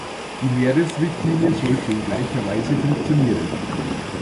Die Meeresrichtlinie sollte in gleicher Weise funktionieren.